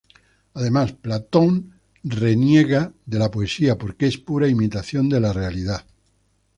Además, Platón reniega de la poesía porque es pura imitación de la realidad.